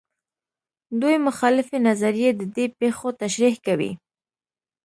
دوې مخالفې نظریې د دې پېښو تشریح کوي.